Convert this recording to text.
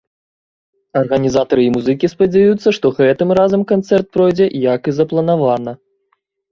Арганізатары і музыкі спадзяюцца, што гэтым разам канцэрт пройдзе, як і запланавана.